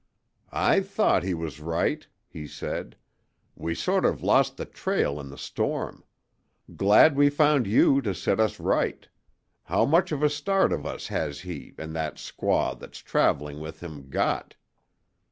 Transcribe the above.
"I thought we was right," he said. "We sort of lost the trail in the storm. Glad we found you to set us right. How much of a start of us has he and that squaw that's traveling with him got?"